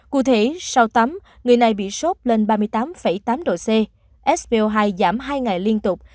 cụ thể sau tắm người này bị sốt lên ba mươi tám tám độ c spo hai giảm hai ngày liên tục